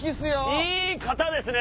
いいカタですね！